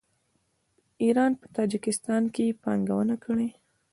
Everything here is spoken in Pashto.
ایران په تاجکستان کې پانګونه کړې.